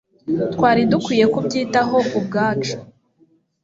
Twari dukwiye kubyitaho ubwacu